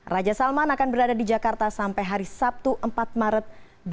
raja salman akan berada di jakarta sampai hari sabtu empat maret dua ribu dua puluh